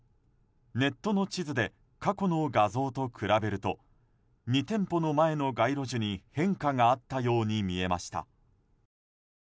ネットの地図で過去の画像と比べると２店舗の前の街路樹に変化があったように見えました。